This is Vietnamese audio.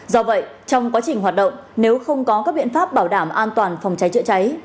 do vậy trong quá trình hoạt động nếu không có các biện pháp bảo đảm an toàn phòng cháy chữa cháy